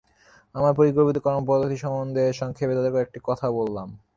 আমার পরিকল্পিত কর্মপদ্ধতি সম্বন্ধে সংক্ষেপে তাদের কয়েকটি কথা বললাম।